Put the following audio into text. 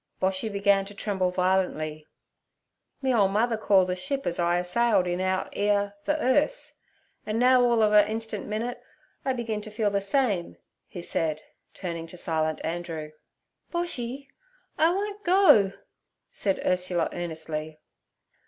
Boshy began to tremble violently. 'Me ole mother called ther ship as I a sailed in out 'ere Ther 'Earse, en now all of a instan' minute I begin t' feel ther same' he said, turning to silent Andrew. 'Boshy, I won't go' said Ursula earnestly.